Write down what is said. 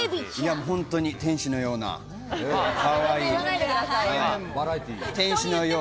本当に天使のような、かわいい。